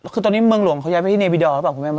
คือตอนนี้เมืองหลวงเขายังไม่มีเนบีดอร์หรือเปล่า